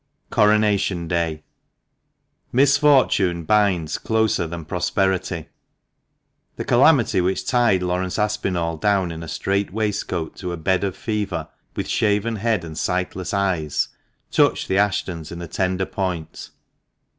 * CORONATION DAY. ISFORTUNE binds closer than prosperity. The calamity which tied Laurence Aspinall down in a strait waistcoat to a bed of fever, with shaven head and sightless eyes, touched the Ashtons in a tender point.